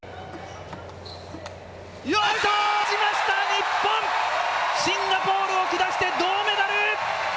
日本、シンガポールを下して銅メダル！